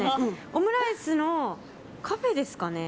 オムライスのカフェですかね。